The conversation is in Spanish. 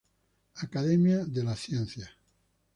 Accademia delle Scienze.